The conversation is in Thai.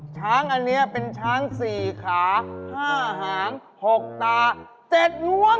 ช้างอันนี้เป็นช้างสี่ขาห้าหางหกตาเจ็ดงวง